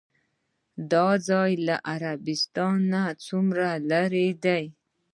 دا ځای له عربستان نه څومره لرې دی؟